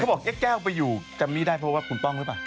บอกแก้วไปอยู่แกมมี่ได้เพราะว่าคุณป้องหรือเปล่า